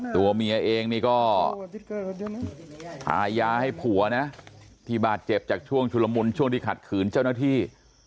ตัวเมียเองนี่ก็หายาให้ผัวนะที่บาดเจ็บจากช่วงชุลมุนช่วงที่ขัดขืนเจ้าหน้าที่